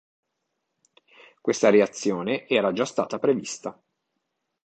Questa reazione era già stata prevista.